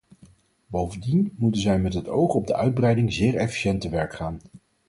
Bovendien moet zij met het oog op de uitbreiding zeer efficiënt te werk gaan.